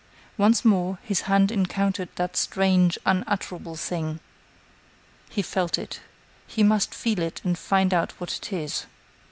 Once more, his hand encountered that strange, unutterable thing. He felt it. He must feel it and find out what it is.